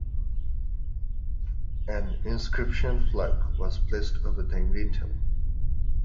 An inscription plaque was placed over the lintel.